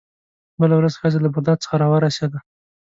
بله ورځ ښځه له بغداد څخه راورسېده.